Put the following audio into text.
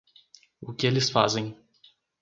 O que eles fazem